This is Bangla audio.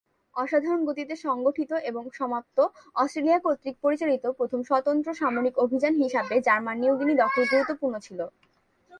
অসাধারণ গতিতে সংগঠিত এবং সমাপ্ত, অস্ট্রেলিয়া কর্তৃক পরিচালিত প্রথম স্বতন্ত্র সামরিক অভিযান হিসাবে জার্মান নিউ গিনি দখল গুরুত্বপূর্ণ ছিল।